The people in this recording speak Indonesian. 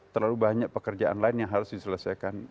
terlalu banyak pekerjaan lain yang harus diselesaikan